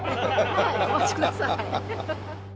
はいお待ちください。